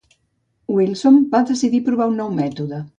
Wilson va decidir provar un nou mètode.